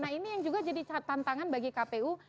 nah ini yang juga jadi tantangan bagi kpu